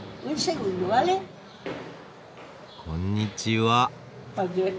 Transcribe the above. こんにちは。